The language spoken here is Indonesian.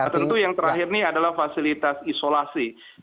tentu yang terakhir ini adalah fasilitas isolasi